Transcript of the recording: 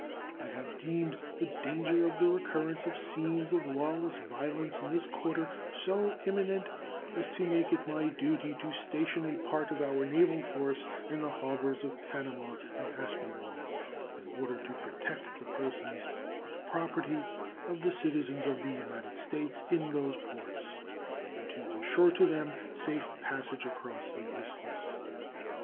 I have deemed the danger of the recurrence of scenes of lawless violence in this quarter so imminent as to make it my duty to station a part of our naval force in the harbors of Panama and Aspinwall, in order to protect the persons and property of the citizens of the United States in those ports and to insure to them safe passage across the Isthmus.